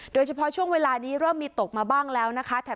ช่วงเวลานี้เริ่มมีตกมาบ้างแล้วนะคะ